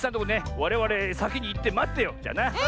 われわれさきにいってまってよう。